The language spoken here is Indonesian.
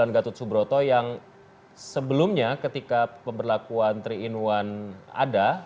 gatot subroto yang sebelumnya ketika pemberlakuan tiga in satu ada